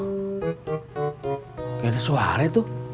kayak ada suara itu